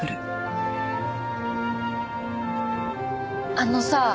あのさ。